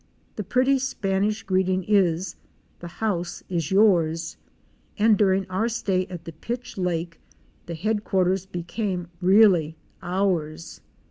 The pretty Spanish greeting is — 'The house is yours" and during our stay at the Pitch Lake, the headquarters be came really ours.